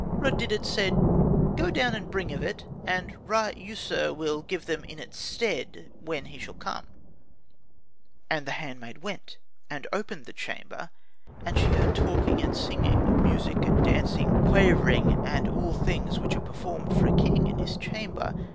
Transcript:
Rud didet said, "Go down, and bring of it, and Ra user shall give them in its stead when he shall come," And the handmaid went, and opened the chamber. And she heard talking and singing, music and dancing, quavering, and all things which are performed for a king in his chamber.